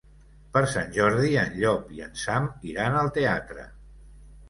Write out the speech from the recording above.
Per Sant Jordi en Llop i en Sam iran al teatre.